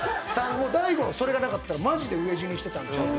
大悟のそれがなかったらマジで飢え死にしてたんちゃう？